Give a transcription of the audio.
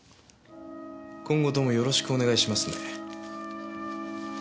今後ともよろしくお願いしますね。